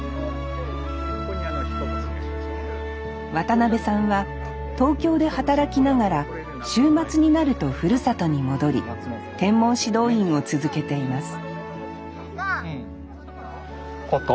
渡辺さんは東京で働きながら週末になるとふるさとに戻り天文指導員を続けていますこと。